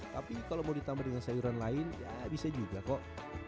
tapi kalau mau ditambah dengan sayuran lain ya bisa juga kok